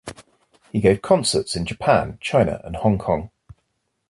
He gave concerts in Japan, China and Hong Kong.